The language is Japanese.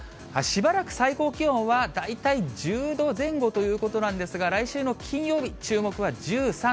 しばらく最高気温は大体１０度前後ということなんですが、来週の金曜日、注目は１３度。